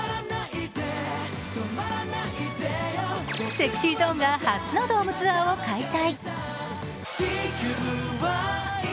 ＳｅｘｙＺｏｎｅが初のドームツアーを開催。